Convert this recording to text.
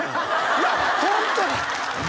いやホントに！